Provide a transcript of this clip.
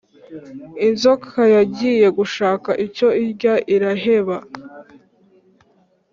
inzoka yagiye gushaka icyo irya iraheba